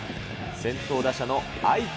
先頭打者の愛斗。